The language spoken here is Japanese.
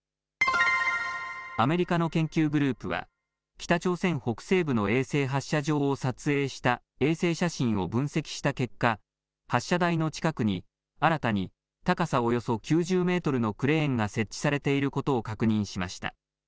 アメリカの研究グループは北朝鮮北西部の衛星発射場を撮影した衛星写真を分析した結果、発射台の近くに新たに高さおよそ９０メートルのクレーンが設置されていることを確認しました。